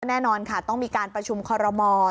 แน่นอนค่ะต้องมีการประชุมคอรมอล